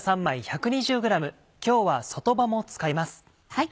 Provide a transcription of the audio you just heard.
今日は外葉も使います。